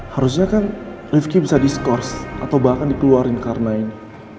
harusnya kan rifki bisa diskors atau bahkan dikeluarin karena ini